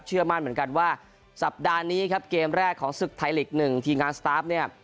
เชื่อมั่นเหมือนกันว่าสัปดาห์นี้ครับเกมแรกของศึกไทยลีก๑ทีมงานสตาร์ฟเนี่ย